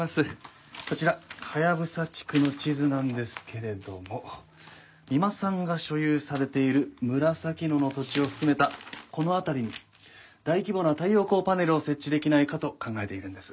こちらハヤブサ地区の地図なんですけれども三馬さんが所有されている紫野の土地を含めたこの辺りに大規模な太陽光パネルを設置できないかと考えているんです。